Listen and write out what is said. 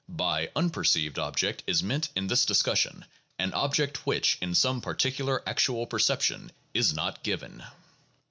By unperceived object is meant in this discussion an object which in some particular actual perception is not given.